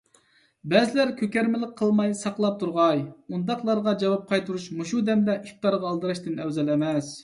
بەزىلەر كۆكەرمىلىك قىلماي ساقلاپ تۇرغاي. ئۇنداقلارغا جاۋاب قايتۇرۇش مۇشۇ دەمدە ئىپتارغا ئالدىراشتىن ئەۋزەل ئەمەس.